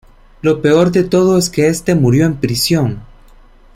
Lo peor de todo es que este murió en prisión.